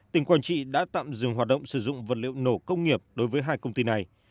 tỉnh quảng trị đã tạm dừng hoạt động sử dụng vật liệu nổ công nghiệp đối với hai công ty này